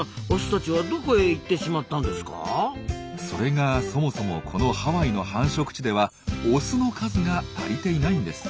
それがそもそもこのハワイの繁殖地ではオスの数が足りていないんです。